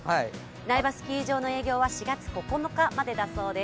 苗場スキー場の営業は４月９日までだそうです。